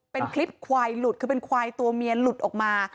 เป็นคลิปควายหลุดคือเป็นควายตัวเมียหลุดออกมา